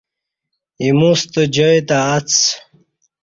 ایموستہ جای تہ اڅ۔